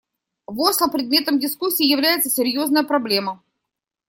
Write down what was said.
В Осло предметом дискуссии является серьезная проблема.